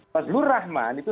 fazlur rahman itu